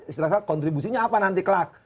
istilahnya kontribusinya apa nanti kelak